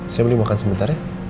saya beli makan sebentar ya